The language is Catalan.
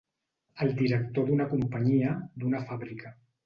El director d'una companyia, d'una fàbrica.